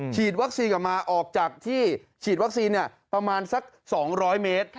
ฉีดวัคซีนกลับมาออกจากที่ฉีดวัคซีนประมาณสัก๒๐๐เมตร